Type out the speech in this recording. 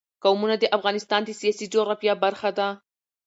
قومونه د افغانستان د سیاسي جغرافیه برخه ده.